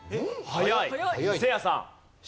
せいやさん。